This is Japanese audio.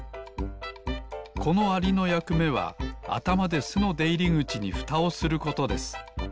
このアリのやくめはあたまですのでいりぐちにふたをすることです